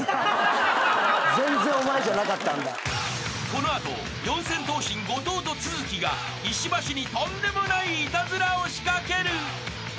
［この後四千頭身後藤と都築が石橋にとんでもないいたずらを仕掛ける］